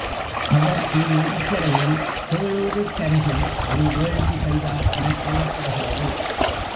அவர் இந் நதிக் கரையில் பேளூருக்கருகில் ஒரு வேள்வி செய்தார் எனக் கூறப்படுகிறது.